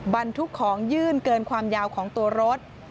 บรรทุกของยื่นเกินความยาวของตัวรถ